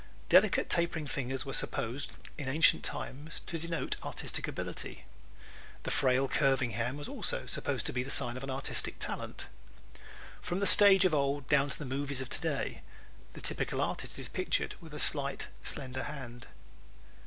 Delicate tapering fingers were supposed in ancient times to denote artistic ability. The frail curving hand was also supposed to be a sign of artistic talent. From the stage of old down to the movies of today the typical artist is pictured with a slight, slender hand.